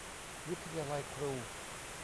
วิทยาลัยครู